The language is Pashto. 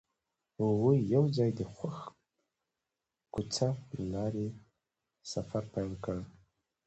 هغوی یوځای د خوښ کوڅه له لارې سفر پیل کړ.